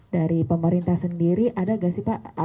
dari pemerintah sendiri ada nggak sih pak